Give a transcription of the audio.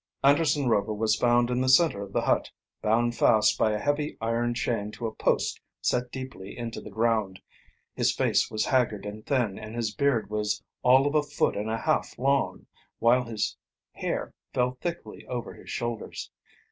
Anderson Rover was found in the center of the hut, bound fast by a heavy iron chain to a post set deeply into the ground. His face was haggard and thin and his beard was all of a foot and a half long, while his hair fell thickly over his shoulders.